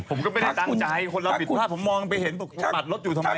ผมก็ไม่ได้ตั้งใจคนเราปิดภาพผมมองไปเห็นตรงนี้ปัดรถอยู่ทำไมล่ะ